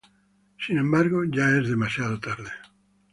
Sin embargo, ya es demasiado tarde.